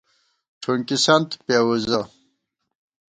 ٹھُونکِسنت پېوُزہ